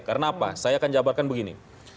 karena apa saya akan jawabkan begini